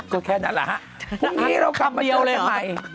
ก็แค่นั้นล่ะฮะพรุ่งนี้เรากลับเดียวเลยใหม่